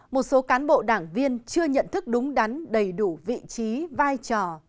một số cán bộ đảng viên chưa nhận thức đúng đắn đầy đủ vị trí vai trò